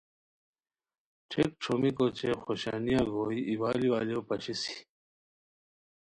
ݯھیک ݯھومیکا اوچے خوشانیہ گوئے، ایوال ایوالیو پاشیسی